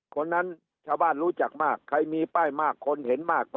คนนั้นชาวบ้านรู้จักมากใครมีป้ายมากคนเห็นมาก